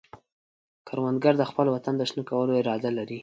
کروندګر د خپل وطن د شنه کولو اراده لري